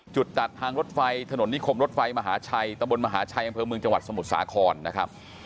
จุดตัดทางรถไฟถนนนิคมรถไฟมหาชัยตะบนมหาชัยอำเภอเมืองจังหวัดสมุทรสาครนะครับ